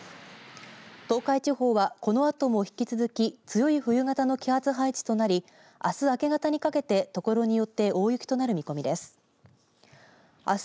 東海地方はこのあとも引き続き強い冬型の気圧配置となりあす明け方にかけて所によって大雪となる見込みです。